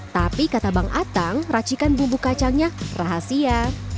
tapi kata bang atang racikan bumbu kacangnya rahasia